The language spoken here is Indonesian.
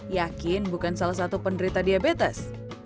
yakin bukan salah satu penderita diabetes